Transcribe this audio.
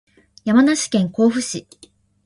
山梨県甲州市